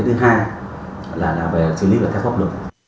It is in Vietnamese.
thứ hai là về xử lý theo pháp luật